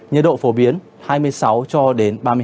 nhiệt độ phổ biến hai mươi sáu cho đến ba mươi hai độ